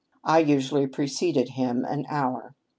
I usually pre ceded him an hour.